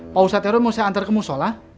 pak ustadz erun mau saya antar ke musola